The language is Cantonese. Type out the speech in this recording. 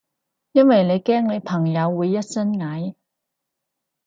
因為你驚你朋友會一身蟻？